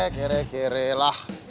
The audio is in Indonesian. kiri kiri lah